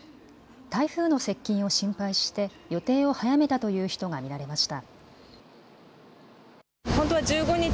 台風の接近を心配して予定を早めたという人が見られました。